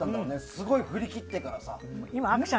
すごい振り切ってるからさ。